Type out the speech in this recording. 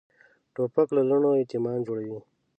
توپک له لوڼو یتیمان جوړوي.